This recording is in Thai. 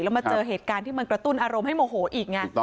แล้วมาเจอเหตุการณ์ที่มันกระตุ้นอารมณ์ให้โมโหอีกไง